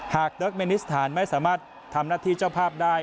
เดิร์กเมนิสถานไม่สามารถทำหน้าที่เจ้าภาพได้